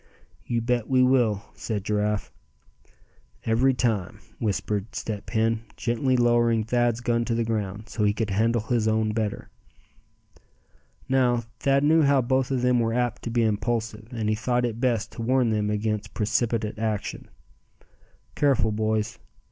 "You bet we will," said Giraffe. "Every time," whispered Step Hen, gently lowering Thad's gun to the ground, so he could handle his own better. Now, Thad knew how both of them were apt to be impulsive, and he thought it best to warn them against precipitate action. "Careful, boys.